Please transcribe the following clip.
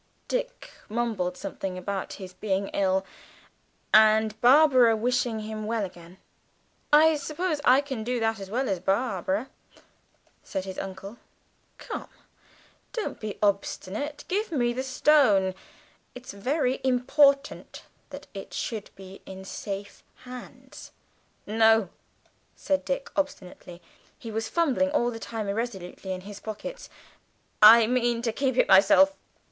Dick mumbled something about his being ill, and Barbara wishing him well again. "I suppose I can do that as well as Barbara," said his uncle. "Come, don't be obstinate, give me the Stone; it's very important that it should be in safe hands." "No," said Dick obstinately; he was fumbling all the time irresolutely in his pockets; "I mean to keep it myself."